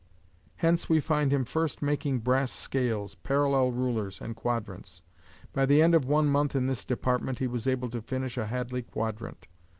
Hence we find him first making brass scales, parallel rulers and quadrants. By the end of one month in this department he was able to finish a Hadley quadrant.